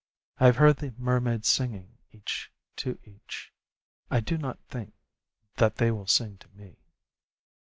I have heard the mermaids singing, each to each. I do not think that they will sing to me.